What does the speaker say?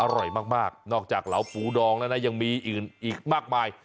อร่อยมากนอกจากเหลาปูดองแล้วนะยังมีอื่นอีกมากมาย